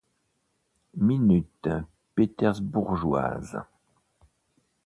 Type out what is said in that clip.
Minutes Pétersbourgeoises.